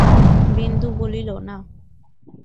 বিন্দু বলিল, না।